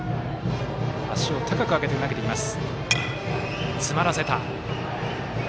足を高く上げて投げてきます。